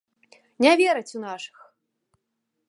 Не вераць у нашых!